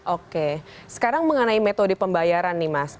oke sekarang mengenai metode pembayaran nih mas